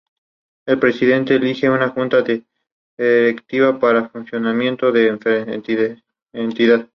El Presidente elige una Junta Directiva para el funcionamiento de la entidad.